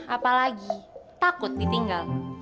apalagi takut ditinggal